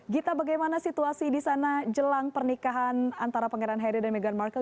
gita bagaimana situasi di sana jelang pernikahan antara pangeran harry dan meghan markle